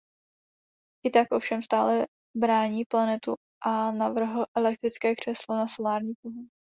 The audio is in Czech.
I tak ovšem stále brání planetu a navrhl elektrické křeslo na solární pohon.